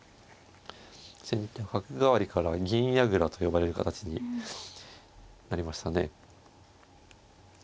角換わりから銀矢倉と呼ばれる形になりましたね。